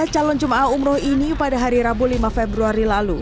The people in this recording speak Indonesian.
tiga calon jemaah umroh ini pada hari rabu lima februari lalu